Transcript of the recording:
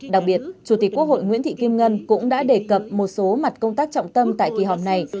đặc biệt chủ tịch quốc hội nguyễn thị kim ngân cũng đã đề cập một số mặt công tác trọng tâm tại kỳ họp này